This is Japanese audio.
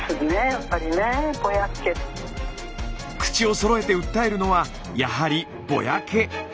口をそろえて訴えるのはやはり「ぼやけ」。